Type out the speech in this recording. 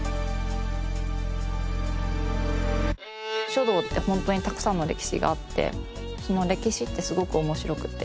書道って本当にたくさんの歴史があってその歴史ってすごく面白くて。